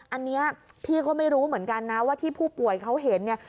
อันนี้พี่ก็ไม่รู้เหมือนกันนะว่าที่ผู้ป่วยเขาเห็นเนี่ย